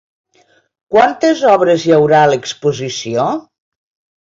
Quantes obres hi haurà a l'exposició?